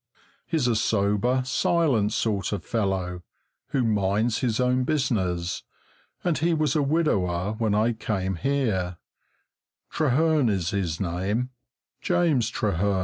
He's a sober, silent sort of fellow, who minds his own business, and he was a widower when I came here Trehearn is his name, James Trehearn.